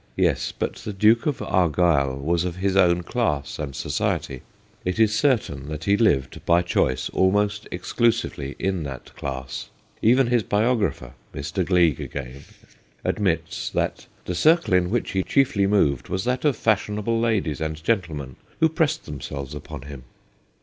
Yes ; but the Duke of Argyll was of his own class and society. It is certain that he lived, by choice, almost exclusively in that class. Even his biographer Mr. Gleig again 164 THE GHOSTS OF PICCADILLY admits that ' the circle in which he chiefly moved was that of fashionable ladies and gentlemen, who pressed themselves upon him.'